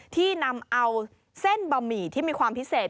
ที่นำเอาเส้นบะหมี่ที่มีความพิเศษ